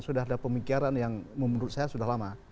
sudah ada pemikiran yang menurut saya sudah lama